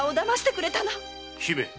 姫。